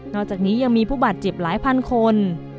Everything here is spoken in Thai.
อกจากนี้ยังมีผู้บาดเจ็บหลายพันคน